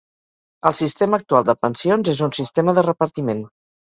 El sistema actual de pensions és un sistema de repartiment.